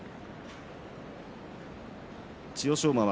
千代翔馬